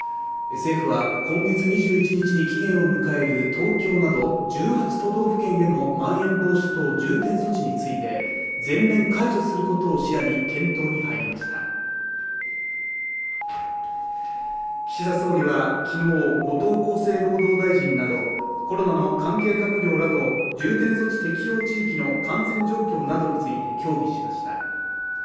政府は今月２１日に期限を迎える東京など１８都道府県へのまん延防止等重点措置について全面解除することを視野に検討に入りました岸田総理は昨日、後藤厚生労働大臣などコロナの関係閣僚らと重点措置適用地域の感染状況などについて協議しました